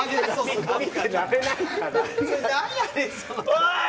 おい！